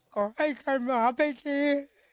ขอให้ธันวาไปดี